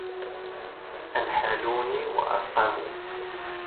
أنحلوني وأسقموا